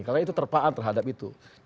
karena itu terpaan terhadap itu